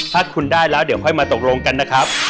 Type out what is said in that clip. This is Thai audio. ถ้าคุณได้แล้วเดี๋ยวค่อยมาตกลงกันนะครับ